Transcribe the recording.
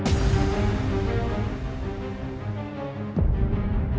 ya aku harus berhasil